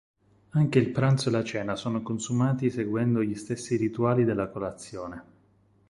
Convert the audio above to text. Anche il pranzo e la cena sono consumati seguendo gli stessi rituali della colazione.